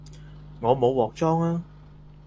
我冇鑊裝吖